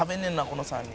この３人」